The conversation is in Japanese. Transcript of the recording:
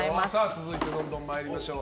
続いてどんどん参りましょう。